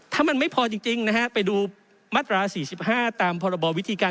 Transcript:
ถ้ามันไม่พอจริงนะฮะไปดูมาตรา๔๕ตามพรบวิธีการ